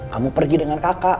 kamu pergi dengan kakak